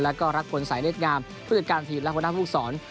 และก็รักคนสายเล็กงามผู้จัดการทีมและคุณภาพภูกษร